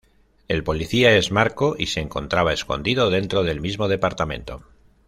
El policía es Marco y se encontraba escondido dentro del mismo departamento.